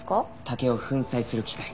竹を粉砕する機械。